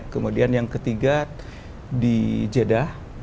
kemudian yang ketiga di jeddah